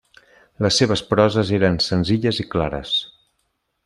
Les seves proses eren senzilles i clares.